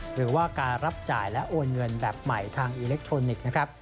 หรือว่าการรับจ่ายและโอนเงินแบบใหม่ทางอิเล็กทรอนิกส์นะครับ